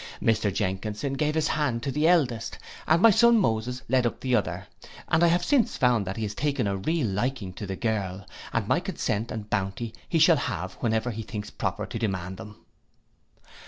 Mr Jenkinson gave his hand to the eldest, and my son Moses led up the other; (and I have since found that he has taken a real liking to the girl, and my consent and bounty he shall have whenever he thinks proper to demand them.)